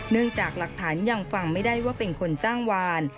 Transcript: จากหลักฐานยังฟังไม่ได้ว่าเป็นคนจ้างวาน